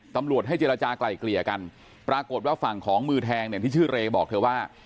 ตำรวจให้เจรจากลายเกลี่ยกันปรากฏว่าฝั่งของมือแทงเนี่ยที่ชื่อเรย์บอกเธอว่า